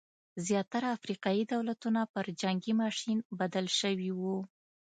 زیاتره افریقايي دولتونه پر جنګي ماشین بدل شوي وو.